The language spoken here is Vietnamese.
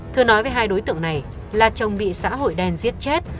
thưa nói với hai đối tượng này là chồng bị xã hội đen giết chết